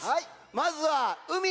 まずはうみ。